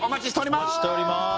お待ちしておりまーす！